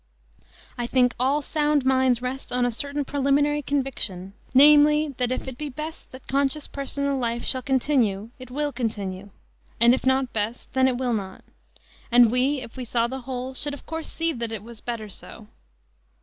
"I think all sound minds rest on a certain preliminary conviction, namely: that if it be best that conscious personal life shall continue it will continue, and if not best, then it will not; and we, if we saw the whole, should of course see that it was better so."